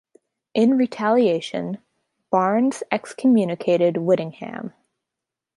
In retaliation, Barnes excommunicated Whittingham.